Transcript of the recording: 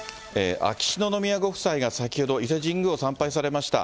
秋篠宮ご夫妻が先ほど、伊勢神宮を参拝されました。